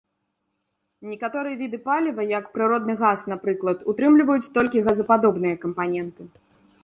Некаторыя віды паліва, як прыродны газ, напрыклад, утрымліваць толькі газападобныя кампаненты.